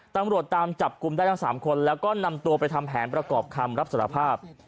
ตำรวจตามจับกลุ่มได้ทั้ง๓คนแล้วก็นำตัวไปทำแผนประกอบคำรับสารภาพ